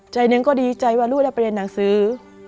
ใจหนึ่งก็ดีใจว่าลูกได้ไปเรียนหนังสือ